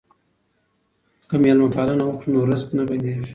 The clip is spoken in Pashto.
که مېلمه پالنه وکړو نو رزق نه بندیږي.